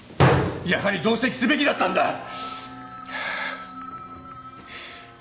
やはり同席すべきだったんだ！